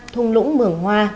thung lũng mường hoa